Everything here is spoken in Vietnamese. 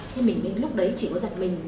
thế mình lúc đấy chỉ có giật mình